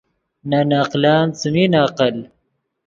نے نقلن څیمین عقل